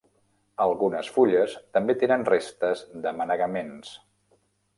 Algunes fulles també tenen restes de manegaments.